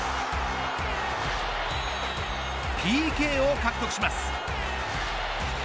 ＰＫを獲得します。